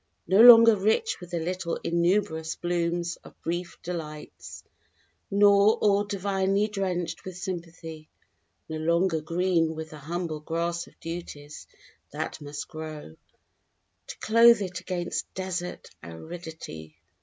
No longer rich with the little innumerous blooms of brief delights, Nor all divinely drenched with sympathy. No longer green with the humble grass of duties that must grow, To clothe it against desert aridity.